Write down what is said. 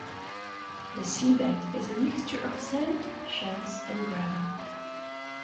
The seabed is a mixture of sand, shells and gravel.